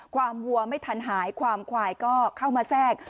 วัวไม่ทันหายความควายก็เข้ามาแทรก